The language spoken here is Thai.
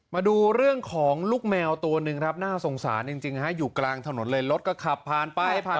มาดูเรื่องของลูกแมวตัวหนึ่งครับน่าสงสารจริงฮะอยู่กลางถนนเลยรถก็ขับผ่านไปผ่าน